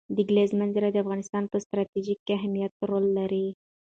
د کلیزو منظره د افغانستان په ستراتیژیک اهمیت کې رول لري.